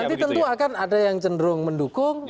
nanti tentu akan ada yang cenderung mendukung